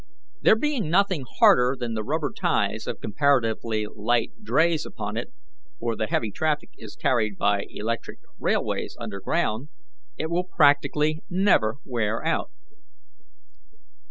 There being nothing harder than the rubber ties of comparatively light drays upon it for the heavy traffic is carried by electric railways under ground it will practically never wear out.